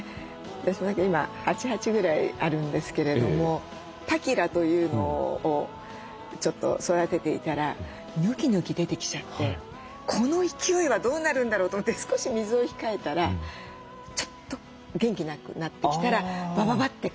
私も今８鉢ぐらいあるんですけれどもパキラというのをちょっと育てていたらニョキニョキ出てきちゃってこの勢いはどうなるんだろうと思って少し水を控えたらちょっと元気なくなってきたらバババッて枯れてというような。